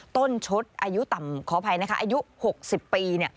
ต้นชดอายุต่ำขออภัยนะคะอายุ๖๐ปี